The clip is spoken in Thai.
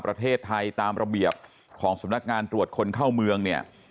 ประเทศไทยตามระเบียบของสำนักงานตรวจคนเข้าเมืองเนี่ย